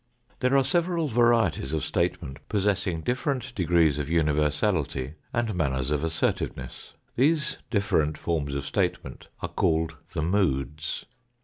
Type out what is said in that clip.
There are several varieties of statement possessing different degrees of universality and manners of assertiveness. These different forms of statement are called the moods.